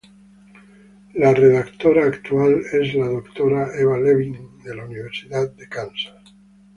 El redactor actual es la doctora Eva Levin, de la Universidad de Kansas.